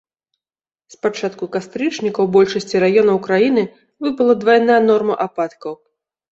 З пачатку кастрычніка ў большасці раёнаў краіны выпала двайная норма ападкаў.